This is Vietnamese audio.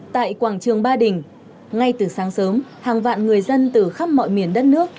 tại quảng trường ba đình ngay từ sáng sớm hàng vạn người dân từ khắp mọi miền đất nước